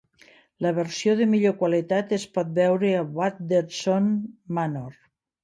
La versió de millor qualitat es pot veure a Waddesdon Manor.